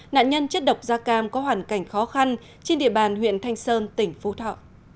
nạn nhân chất độc da cam có hoàn cảnh khó khăn trên địa bàn huyện thanh sơn tỉnh phú thọ